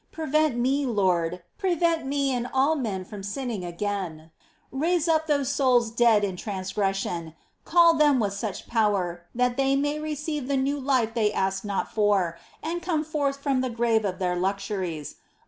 Prevent me. Lord, prevent me and all men from sinning again ! Raise up souls dead in transgression : call them with such power, that they may receive the new life they ask not for, and come forth from the grave of their luxuries.